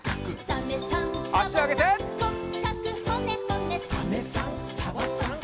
「サメさんサバさん